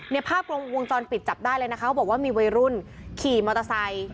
ภาพกล้องวงจรปิดจับได้เลยนะคะเขาบอกว่ามีวัยรุ่นขี่มอเตอร์ไซค์